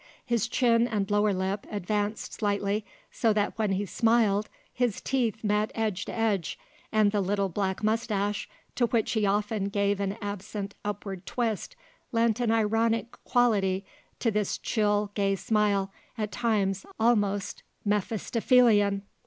His chin and lower lip advanced slightly, so that when he smiled his teeth met edge to edge, and the little black moustache, to which he often gave an absent upward twist, lent an ironic quality to this chill, gay smile, at times almost Mephistophelian.